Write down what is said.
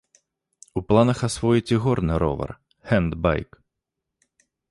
У планах асвоіць і горны ровар, хэндбайк.